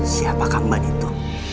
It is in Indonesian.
siapakah mban itu